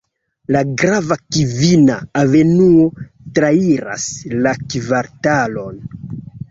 La grava Kvina Avenuo trairas la kvartalon.